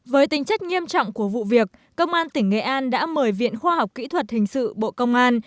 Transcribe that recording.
với tính chất nghiêm trọng của vụ việc công an tỉnh nghệ an đã mời viện khoa học kỹ thuật hình sự bộ công an